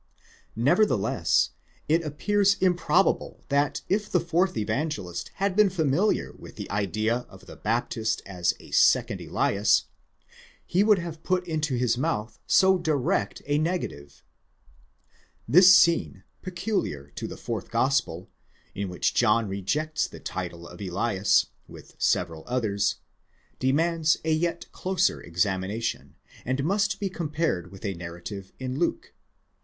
Nevertheless it appears improbable that if the fourth Evangelist had been familiar with the idea of the Baptist as a second Elias, he would have put into his mouth so direct a negative. This scene, peculiar to the fourth gospel, in which John rejects the title of Elias, with several others, demands a yet closer examination, and must be compared with a narrative in Luke (iii.